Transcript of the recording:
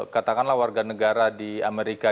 katakanlah warga negara di amerika